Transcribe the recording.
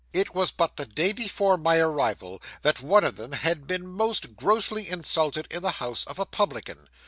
It was but the day before my arrival that one of them had been most grossly insulted in the house of a publican.